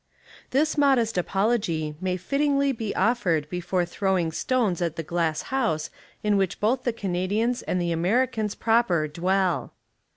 This modest apology may fittingly be of fered before throwing stones at the glass house in which both the Canadians and the Ameri cans proper dwell.